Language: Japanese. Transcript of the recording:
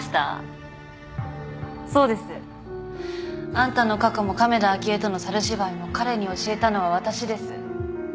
あんたの過去も亀田亜希恵との猿芝居も彼に教えたのは私です。